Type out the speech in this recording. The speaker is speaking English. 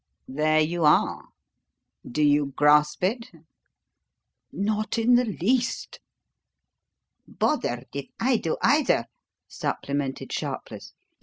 There you are. Do you grasp it?" "Not in the least." "Bothered if I do either," supplemented Sharpless.